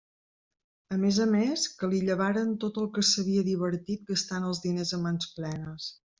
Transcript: A més a més, que li llevaren tot el que s'havia divertit gastant els diners a mans plenes.